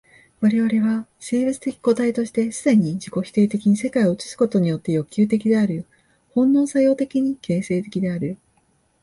我々は生物的個体として既に自己否定的に世界を映すことによって欲求的である、本能作用的に形成的である。